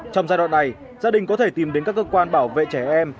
trong giai đoạn này gia đình có thể tìm đến các cơ quan bảo vệ trẻ em